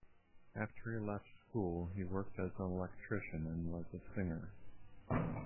After he left school he worked as an electrician and was a singer.